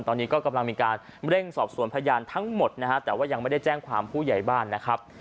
ตอนนี้ก็กำลังมีการเร่งสอบสวนพยานทั้งหมดนะฮะแต่ว่ายังไม่ได้แจ้งความผู้ใหญ่บ้านนะครับ